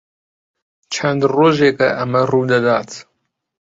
چەند ڕۆژێکە ئەمە ڕوو دەدات.